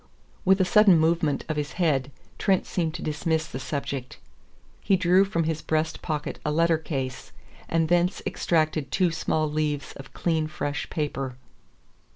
With a sudden movement of his head Trent seemed to dismiss the subject. He drew from his breast pocket a letter case, and thence extracted two small leaves of clean, fresh paper.